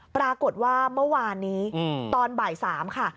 ปรากฏว่าเมื่อวานนี้ตอนบ่าย๓ค่ะ